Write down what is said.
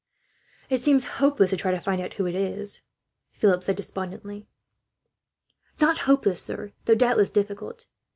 "It seems hopeless to try to find out who it is," Philip said despondently. "Not hopeless, sir, though doubtless difficult.